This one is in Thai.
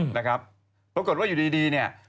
นะครับแล้วก็รู้ว่าอยู่ดีเนี่ย